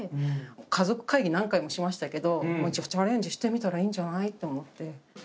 家族会議、何回もしましたけど、もうじゃあチャレンジしてみたらいいんじゃない？と思って。